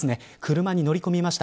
車に乗り込みました。